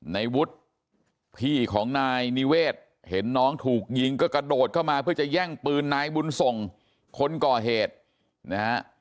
ในวุฒิพี่ของนายนิเวศเห็นน้องถูกยิงก็กระโดดเข้ามาเพื่อจะแย่งปืนนายบุญส่งคนก่อเหตุนะฮะ